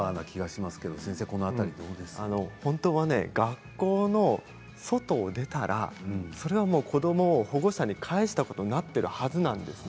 本当は学校の外を出たらそれは子どもは保護者に返したことになっているはずなんです。